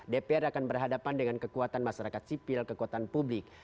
dpr akan berhadapan dengan kekuatan masyarakat sipil kekuatan publik